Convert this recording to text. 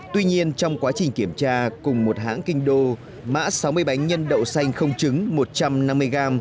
tuy nhiên trong quá trình kiểm tra cùng một hãng kinh đô mã sáu mươi bánh nhân đậu xanh không trứng một trăm năm mươi gram